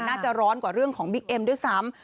น่าจะร้อนกว่าเรื่องของบิ๊กเอ็มด้วยซ้ำ